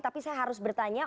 tapi saya harus bertanya